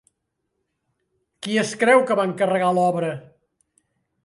Qui es creu que va encarregar l'obra?